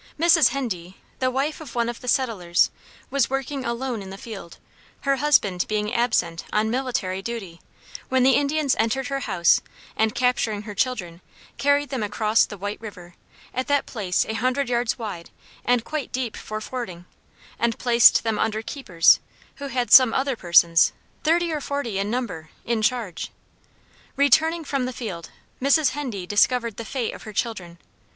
Mrs. Hendee, the wife of one of the settlers, was working alone in the field, her husband being absent on military duty, when the Indians entered her house and capturing her children carried them across the White river, at that place a hundred yards wide and quite deep for fording, and placed them under keepers who had some other persons, thirty or forty in number, in charge. Returning from the field Mrs. Hendee discovered the fate of her children.